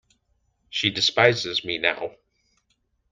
She despises me now.